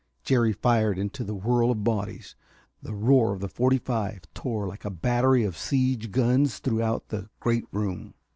Jerry fired into the whirl of bodies. The roar of the forty five tore like a battery of siege guns throughout the great room.